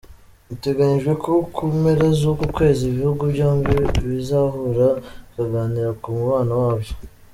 Biteganyijwe ko mu mpera z’uku kwezi ibihugu byombi bizahura bikaganira ku mubano wabyo.